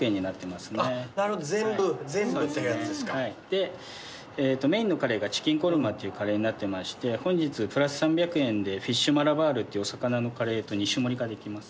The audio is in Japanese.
でメインのカレーがチキンコルマっていうカレーになってまして本日プラス３００円でフィッシュマラバールっていうお魚のカレーと２種盛りができます。